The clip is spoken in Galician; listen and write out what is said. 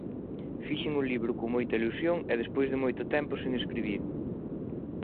Fixen o libro con moita ilusión e despois de moito tempo sen escribir.